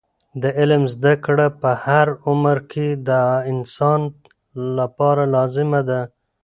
د علم زده کړه په هر عمر کې د انسان لپاره لازمه ده.